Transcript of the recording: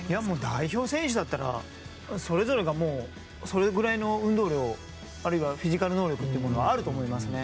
代表選手だったらそれぞれがそれぐらいの運動量、あるいはフィジカル能力というのはあると思いますね。